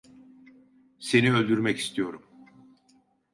Seni öldürmek istiyorum.